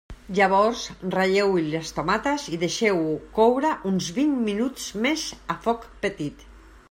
Llavors ratlleu-hi les tomates i deixeu-ho coure uns vint minuts més a foc petit.